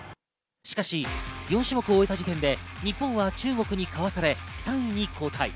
しかし４種目を終えた時点で日本は中国にかわされ、３位に後退。